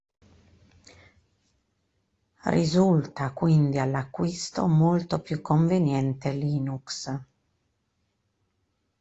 Risulta quindi, all'acquisto, molto più conveniente Linux.